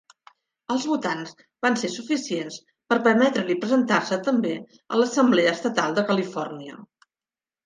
Els votants van ser suficients per a permetre-li presentar-se també a l'Assemblea Estatal de Califòrnia.